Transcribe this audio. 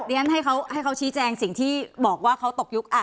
เรียนให้เขาชี้แจงสิ่งที่บอกว่าเขาตกยุค